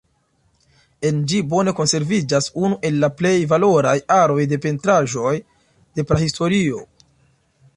En ĝi bone konserviĝas unu el la plej valoraj aroj de pentraĵoj de Prahistorio.